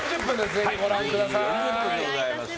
ぜひご覧ください。